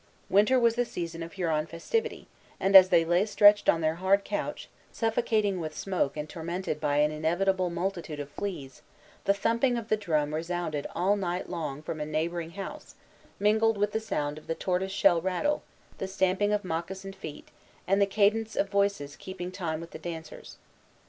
Winter was the season of Huron festivity; and, as they lay stretched on their hard couch, suffocating with smoke and tormented by an inevitable multitude of fleas, the thumping of the drum resounded all night long from a neighboring house, mingled with the sound of the tortoise shell rattle, the stamping of moccasined feet, and the cadence of voices keeping time with the dancers.